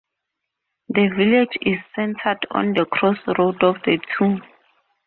The village is centered on the crossroads of the two.